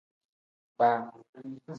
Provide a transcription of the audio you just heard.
Kpaa.